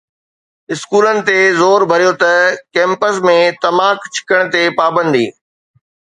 اسڪولن تي زور ڀريو ته ڪيمپس ۾ تماڪ ڇڪڻ تي پابندي